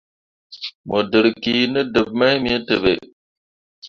Mo dǝrriki ne deb mai me teɓe.